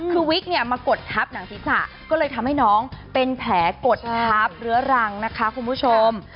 คือวิกเนี่ยมากดทับหนังศีรษะก็เลยทำให้น้องเป็นแผลกดทับเรื้อรังนะคะคุณผู้ชม